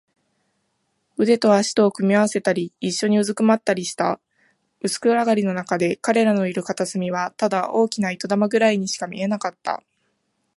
腕と脚とを組み合わせたり、いっしょにうずくまったりした。薄暗がりのなかで、彼らのいる片隅はただ大きな糸玉ぐらいにしか見えなかった。